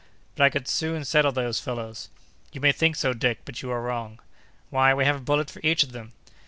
"But I could soon settle those fellows!" "You may think so, Dick. But you are wrong!" "Why, we have a bullet for each of them!"